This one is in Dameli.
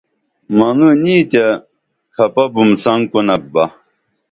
منوں نیں تے کھپہ بُم څنگ کونپ بہ